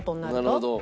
なるほど。